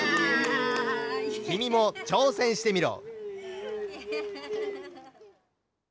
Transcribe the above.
きみもちょうせんしてみろ。